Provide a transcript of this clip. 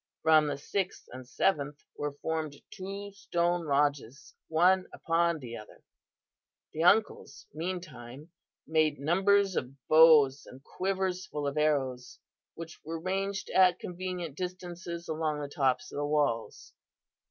From the sixth and seventh were formed two stone lodges, one upon the other. The uncles meantime, made numbers of bows and quivers full of arrows, which were ranged at convenient distances along the tops of the walls.